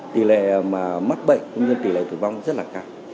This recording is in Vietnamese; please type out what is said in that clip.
tỷ lệ mà mắc bệnh cũng như tỷ lệ tử vong rất là cao